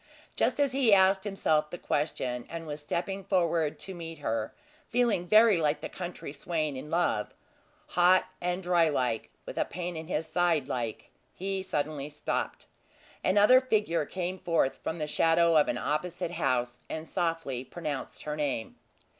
Just as he asked himself the question, and was stepping forward to meet her, feeling very like the country swain in love "hot and dry like, with a pain in his side like" he suddenly stopped. Another figure came forth from the shadow of an opposite house, and softly pronounced her name.